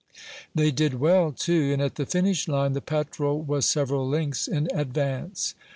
They did well, too, and at the finish line the Petrel was several lengths in advance.